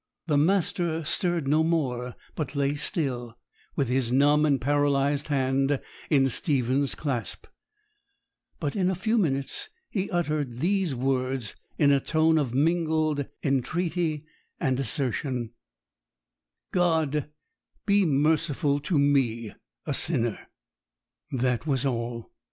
The master stirred no more, but lay still, with his numb and paralyzed hand in Stephen's clasp; but in a few minutes he uttered these words, in a tone of mingled entreaty and assertion, 'God be merciful to me a sinner!' That was all.